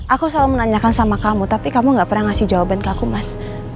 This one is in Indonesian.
aku selalu menanyakan sama kamu tapi kamu gak pernah ngasih jawaban ke aku mas